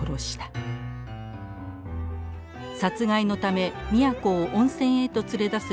殺害のためミヤ子を温泉へと連れ出す